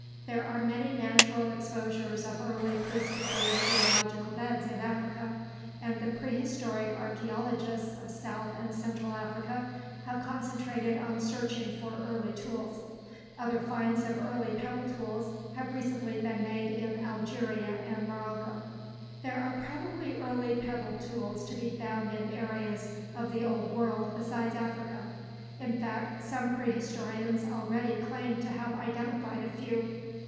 There are many natural exposures of early Pleistocene geological beds in Africa, and the prehistoric archeologists of south and central Africa have concentrated on searching for early tools. Other finds of early pebble tools have recently been made in Algeria and Morocco. [Illustration: SOUTH AFRICAN PEBBLE TOOL] There are probably early pebble tools to be found in areas of the Old World besides Africa; in fact, some prehistorians already claim to have identified a few.